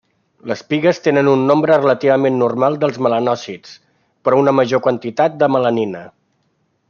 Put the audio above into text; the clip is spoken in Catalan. Les pigues tenen un nombre relativament normal dels melanòcits, però una major quantitat de melanina.